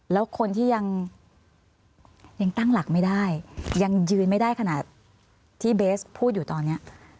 แล้วคนที่ยังตั้งหลักไม่ได้ยังยืนไม่ได้ขนาดที่เบสพูดอยู่ตอนนี้